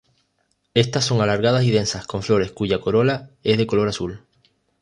Estas son alargadas y densas, con flores cuya corola es de color azul.